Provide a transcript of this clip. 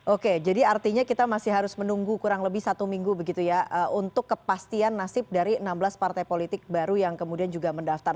oke jadi artinya kita masih harus menunggu kurang lebih satu minggu begitu ya untuk kepastian nasib dari enam belas partai politik baru yang kemudian juga mendaftar